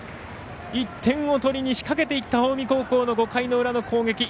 １点を取りに仕掛けにいった近江高校の５回の裏の攻撃。